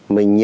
mà nhà nước